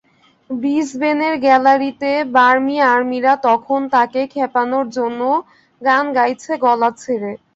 ব্রিসবেনের গ্যালারিতে বার্মি-আর্মিরা তখন তাঁকে খেপানোর জন্য গান গাইছে গলা ছেড়ে।